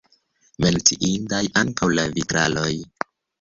Menciindaj ankaŭ la vitraloj.